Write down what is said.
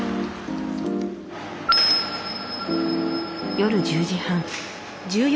夜１０時半。